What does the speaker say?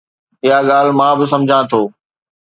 اها ڳالهه مان به سمجهان ٿو.